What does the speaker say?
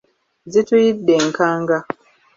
Zituyidde enkanga.